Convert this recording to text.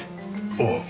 ああ。